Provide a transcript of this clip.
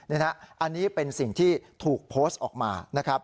อันนี้เป็นสิ่งที่ถูกโพสต์ออกมานะครับ